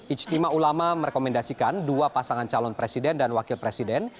ijtima ulama merekomendasikan dua pasangan calon presiden dan wakil presiden